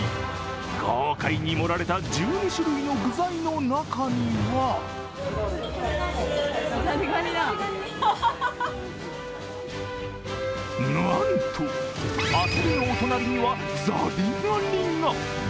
豪快に盛られた１２種類の具材の中にはなんと、アサリのお隣にはザリガニが。